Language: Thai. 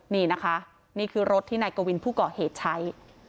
นี่นะคะนี่คือรถที่นายกวินผู้ก่อเหตุใช้